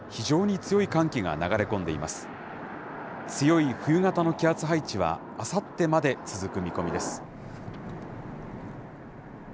強い冬型の気圧配置はあさってまで続く見込みです。